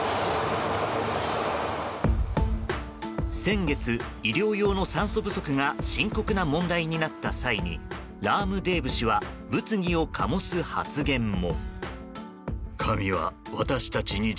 先月、医療用の酸素不足が深刻な問題になった際にラームデーブ氏は物議を醸す発言も。